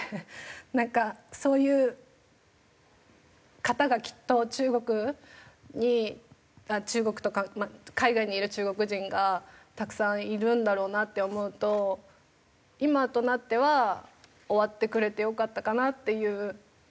なんかそういう方がきっと中国に中国とか海外にいる中国人がたくさんいるんだろうなって思うと今となっては終わってくれてよかったかなっていう気持ちはありますね。